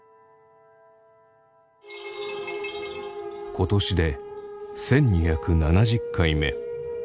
今年で１２７０回目。